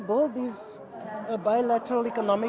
hubungan ekonomi bilateral ini